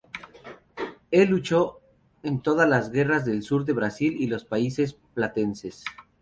Él luchó en todas las guerras del sur de Brasil y los países platenses.